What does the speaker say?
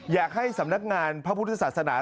อยากให้สำนักงานพระพุทธศาสนา